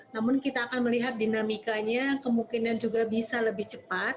namun kita akan melihat dinamikanya kemungkinan juga bisa lebih cepat